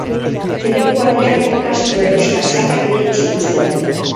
Trikuharriak eta kastro herrixka zaharrak eraiki zituzten.